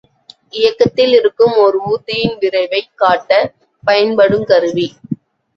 இயக்கத்தில் இருக்கும் ஒர் ஊர்தியின் விரைவைக் காட்டப் பயன்படுங் கருவி.